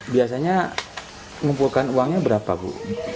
biasanya ngumpulkan uangnya berapa bu